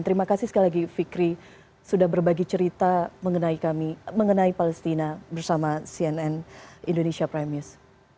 terima kasih sekali lagi fikri sudah berbagi cerita mengenai palestina bersama cnn indonesia prime news